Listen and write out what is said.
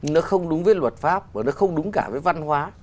nó không đúng với luật pháp và nó không đúng cả với văn hóa